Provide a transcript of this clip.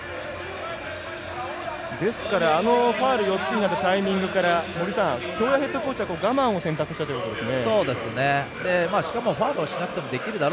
ですから、あのファウル４つのタイミングから京谷ヘッドコーチは、我慢を選択したということですね。